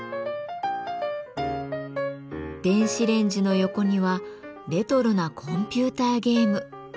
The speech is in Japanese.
電子レンジの横にはレトロなコンピューターゲーム。